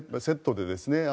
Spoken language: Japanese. セットで。